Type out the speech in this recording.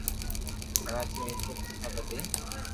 ڪراچي ۔ ميرپورخاص ۔ ٺھٺہ ۔ بدين